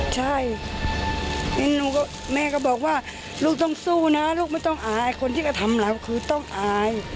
ใช่แม่ก็บอกว่าลูกต้องสู้นะลูกไม่ต้องอายคนที่กระทำเราคือต้องอาย